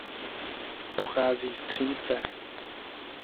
Pochází z Třince.